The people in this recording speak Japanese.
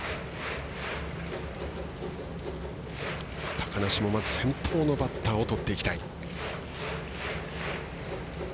高梨もまず先頭のバッターをとっていきたい。